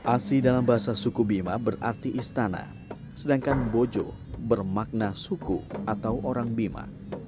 asi dalam bahasa suku bima berarti istana sedangkan bojo bermakna suku atau orang bima